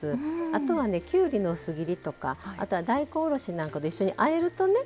あとはねきゅうりの薄切りとかあとは大根おろしなんかと一緒にあえるとね